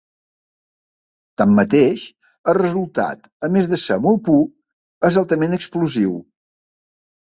Tanmateix, el resultat a més de ser molt pur és altament explosiu.